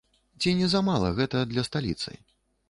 Ці не замала гэта для сталіцы?